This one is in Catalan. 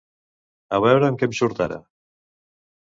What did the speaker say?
A veure amb què em surt, ara.